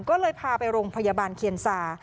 ก็เลยพาไปโรงพยาบาลเคียนซา